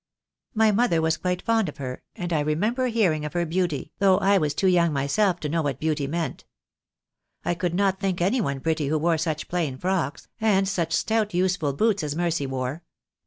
My mother was quite fond of her, and I remember hearing of her THE DAY WILL COME. 293 beauty, though I was too young myself to know what beauty meant. I could not think any one pretty who wore such plain frocks, and such stout useful boots as Mercy wore.